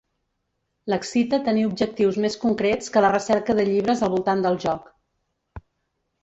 L'excita tenir objectius més concrets que la recerca de llibres al voltant del joc.